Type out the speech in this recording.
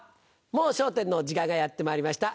『もう笑点』の時間がやってまいりました。